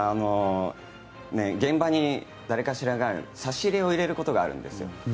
現場に誰かしらが差し入れを入れることがあるんです。